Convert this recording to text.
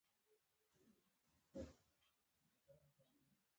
ګیلاس د دعاو پر وخت مخې ته ایښودل کېږي.